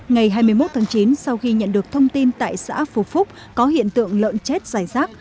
ngày hai mươi một tháng chín sau khi nhận được thông tin tại xã phú phúc có hiện tượng lợn chết giải rác